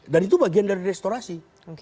dan itu bagian dari restorasi